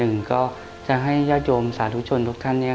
ทั้ง๑ให้สาธุชนทุกท่าน